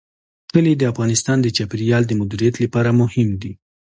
کلي د افغانستان د چاپیریال د مدیریت لپاره مهم دي.